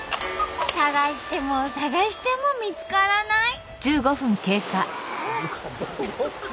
探しても探しても見つからない。